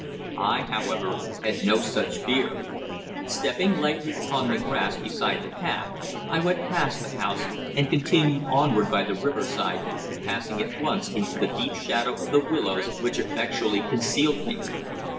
I, however, had no such fear. Stepping lightly upon the grass beside the path I went past the house and continued onward by the riverside, passing at once into the deep shadow of the willows, which effectually concealed me.